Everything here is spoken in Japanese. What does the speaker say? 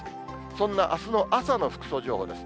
そんなあすの朝の服装情報です。